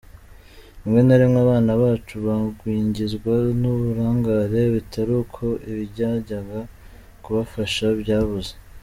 Rimwe na rimwe abana bacu bagwingizwa n’uburangare, bitari uko ibyajyaga kubafasha byabuze.